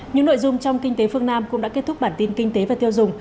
những nội dung trong kinh tế phương nam cũng đã kết thúc bản tin kinh tế và tiêu dùng